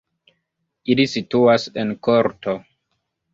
Ili situas en korto.